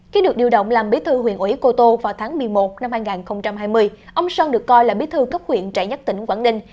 khi được điều động làm bí thư huyện ủy cô tô vào tháng một mươi một năm hai nghìn hai mươi ông sơn được coi là bí thư cấp huyện trẻ nhất tỉnh quảng ninh